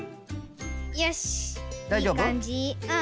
よしいいかんじ。